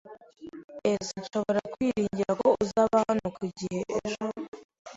[S] Nshobora kwiringira ko uzaba hano ku gihe ejo?